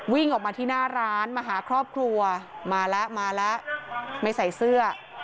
วิ่งออกมาที่หน้าร้านมาหาครอบครัวมาแล้วมาแล้วไม่ใส่เสื้อ